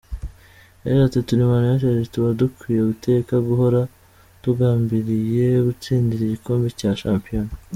Yagize ati: "Turi Man United, tuba dukwiye iteka guhora tugambiriye gutsindira igikombe cya shampiyona".